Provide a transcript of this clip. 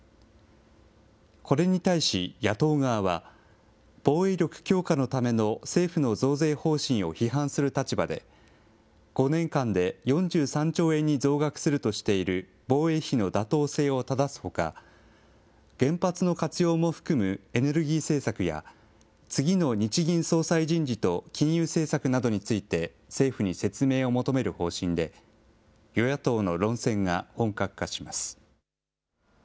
これに対し野党側は、防衛力強化のための政府の増税方針を批判する立場で、５年間で４３兆円に増額するとしている防衛費の妥当性をただすほか、原発の活用も含むエネルギー政策や、次の日銀総裁人事と、金融政策などについて、政府に説明を求める方針で、与野党の論戦が本格化します。